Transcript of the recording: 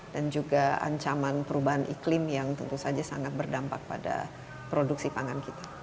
dan juga ancaman perubahan iklim yang tentu saja sangat berdampak pada produksi pangan kita